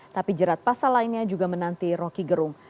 tapi jerat pasal lainnya juga menanti rocky gerung